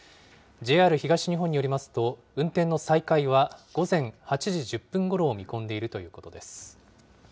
ＪＲ東日本によりますと、運転の再開は午前８時１０分ごろを見込んでいるということです。